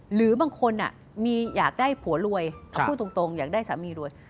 หรือบางคนอยากได้ผัวรวยเอาพูดตรงอยากได้สามีรวย